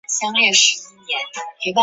他的表现赢得了关注。